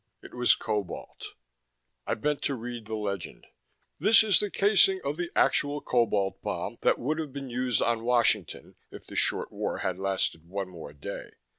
It was cobalt. I bent to read the legend: _This is the casing of the actual cobalt bomb that would have been used on Washington if the Short War had lasted one more day.